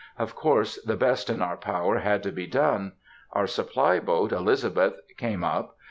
Of course the best in our power had to be done. Our supply boat Elizabeth came up.